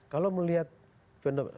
kalau melihat fenomen